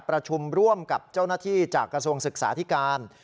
ประชุมร่วมกับเจ้าหน้าที่จากกระทรวงศึกษาธิการ